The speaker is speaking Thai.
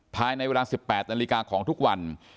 ภายในเวลา๑๘นาฬิกาของทุกวัน